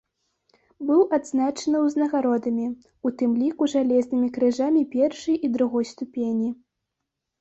Быў адзначаны ўзнагародамі, у тым ліку жалезнымі крыжамі першай і другой ступені.